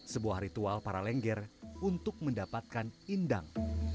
sebuah ritual para lengger untuk mendapatkan indang